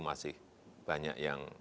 masih banyak yang